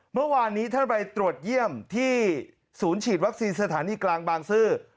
เมื่อวานนี้ท่านไปตรวจเยี่ยมที่ศูนย์ฉีดวัคซีนสถานีกลางบางซื่อ